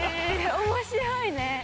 面白いね。